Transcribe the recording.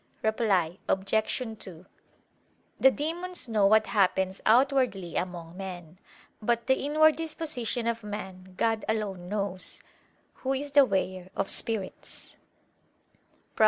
Reply Obj. 2: The demons know what happens outwardly among men; but the inward disposition of man God alone knows, Who is the "weigher of spirits" (Prov.